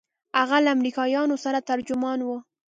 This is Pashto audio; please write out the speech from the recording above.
هغه له امريکايانو سره ترجمان و.